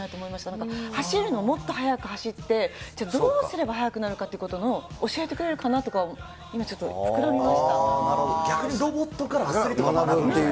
なんか、走るの、もっと速く走って、どうすれば速くなるかということを教えてくれるかな？とか、逆にロボットからアスリート学ぶっていう？